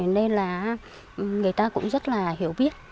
nên là người ta cũng rất là hiểu biết